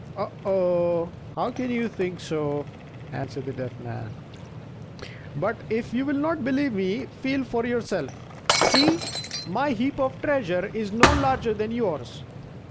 "Oh, oh! how can you think so?" answered the Deaf Man; "but if you will not believe me, feel for yourself. See, my heap of treasure is no larger than yours."